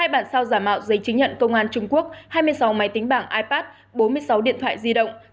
hai bản sao giả mạo giấy chứng nhận công an trung quốc hai mươi sáu máy tính bảng ipad bốn mươi sáu điện thoại di động